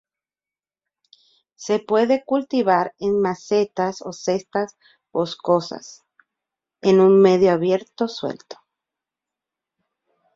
Se pueden cultivar en macetas o cestas boscosas en un medio abierto suelto.